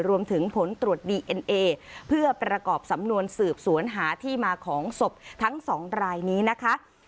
รวมถึงผลตรวจดีเอ็นเอเพื่อประกอบสำนวนสืบสวนหาที่มาของศพทั้งสองรายนี้นะคะ